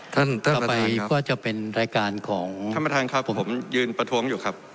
ท่านท่านประธานครับท่านประธานครับผมยืนประท้วงอยู่ครับ